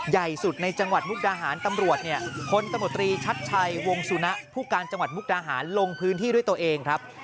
ใหญ่สุดในจังหวัดมุกดาหารตำรวจเนี่ยพลตมตรีชัดชัยวงสุนะผู้การจังหวัดมุกดาหารลงพื้นที่ด้วยตัวเองครับ